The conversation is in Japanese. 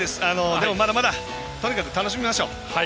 でも、まだまだとにかく楽しみましょう。